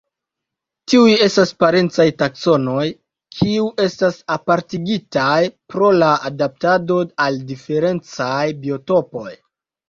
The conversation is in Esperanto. Tiuj estas parencaj taksonoj kiu estas apartigitaj pro la adaptado al diferencaj biotopoj.